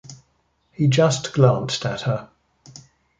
He just glanced at her.